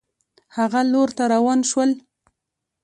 هغه لور ته روان شول.